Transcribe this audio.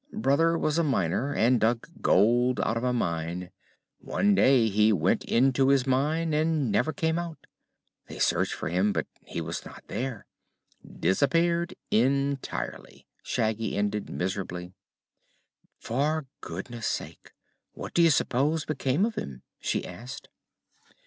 Brother was a miner, and dug gold out of a mine. One day he went into his mine and never came out. They searched for him, but he was not there. Disappeared entirely," Shaggy ended miserably. "For goodness sake! What do you s'pose became of him?" she asked.